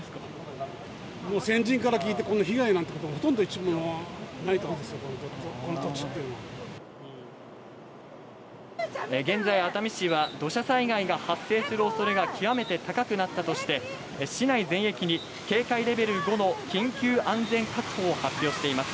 もう先人から聞いても、この被害なんてことも、ほとんど聞いたことがないと思うんですけれども、現在、熱海市は土砂災害が発生するおそれが極めて高くなったとして、市内全域に警戒レベル５の緊急安全確保を発表しています。